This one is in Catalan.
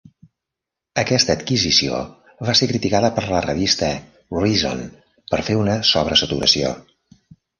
Aquesta adquisició va ser criticada per la revista "Reason" per fer una sobresaturació.